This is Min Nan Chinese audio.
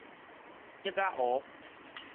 竹仔湖